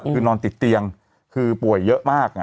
คือนอนติดเตียงคือป่วยเยอะมาก